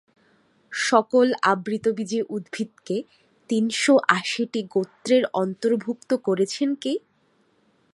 সকল আবৃতবীজী উদ্ভিদকে তিনশো আশিটি গোত্রের অন্তর্ভূক্ত করেছেন কে?